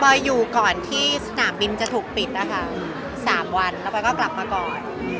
อยู่ก่อนที่สนามบินจะถูกปิดนะคะ๓วันแล้วบอยก็กลับมาก่อน